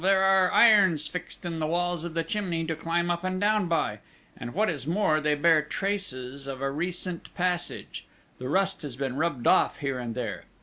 There are irons fixed in the walls of the chimney to climb up and down by; and, what is more, they bear traces of a recent passage the rust has been rubbed off here and there!...